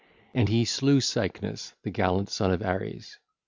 (ll. 57 77) And he slew Cycnus, the gallant son of Ares.